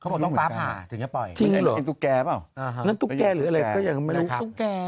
เขาบอกต้องฟ้าผ่าถึงจะปล่อยจริงหรอนั่นตุ๊กแก่หรืออะไรก็ยังไม่รู้